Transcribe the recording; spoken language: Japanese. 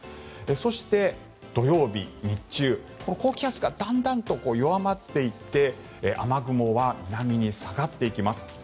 そして、土曜日日中高気圧がだんだんと弱まっていって雨雲は南に下がっていきます。